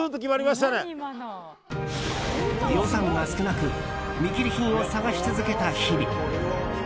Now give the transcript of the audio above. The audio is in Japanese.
予算が少なく見切り品を探し続けた日々。